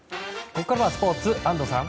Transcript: ここからはスポーツ安藤さん。